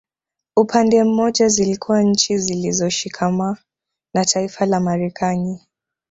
Upande mmoja zilikuwa nchi zilizoshikama na taifa la Marekani